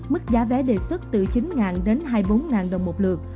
mức giá vé đề xuất từ chín đến hai mươi bốn đồng một lượt